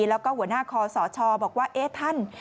แล้วก็หัวหน้าคอสชบอกว่าเอ๊ะท่าน